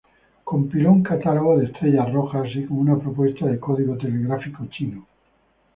Compiló un catálogo de estrellas rojas, así como una propuesta de código telegráfico chino.